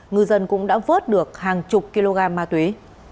ngư dân cũng đã vớt được hàng chục kg ma túy